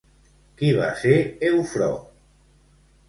Qui va ser Eufró?